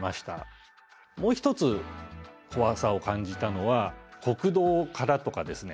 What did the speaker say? もう一つ怖さを感じたのは国道からとかですね